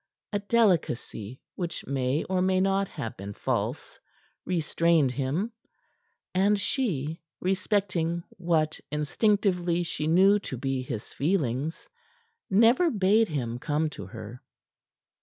A delicacy, which may or may not have been false, restrained him. And she, respecting what instinctively she knew to be his feelings, never bade him come to her.